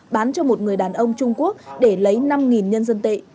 bán cho một người đàn ông trung quốc để lấy năm nhân dân tệ